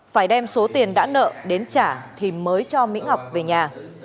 phải đem số tiền đã nợ đến trả thì mới cho mỹ ngọc về nhà